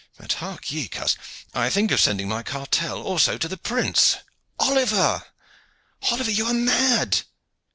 But hark ye, coz, I think of sending my cartel also to the prince." "Oliver! Oliver! You are mad!"